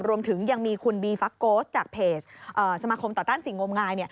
รวมถึงยังมีคุณบีฟักโกสจากเพจสมาคมต่อต้านสิ่งงมงาย